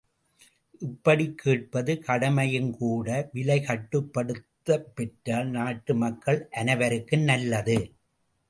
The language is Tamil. இப்படிக் கேட்பது கடமையும்கூட விலை, கட்டுப்படுத்த பெற்றால் நாட்டு மக்கள் அனைவருக்கும் நல்லது.